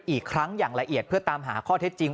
อีกครั้งอย่างละเอียดเพื่อตามหาข้อเท็จจริง